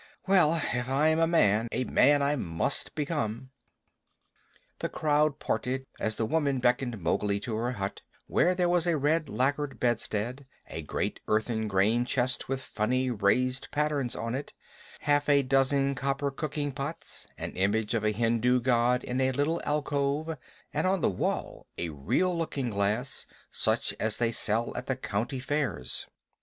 Well, if I am a man, a man I must become." The crowd parted as the woman beckoned Mowgli to her hut, where there was a red lacquered bedstead, a great earthen grain chest with funny raised patterns on it, half a dozen copper cooking pots, an image of a Hindu god in a little alcove, and on the wall a real looking glass, such as they sell at the country fairs.